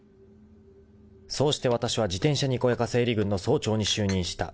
［そうしてわたしは自転車にこやか整理軍の曹長に就任した］